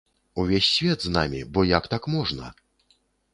Увесь свет з намі, бо як так можна!?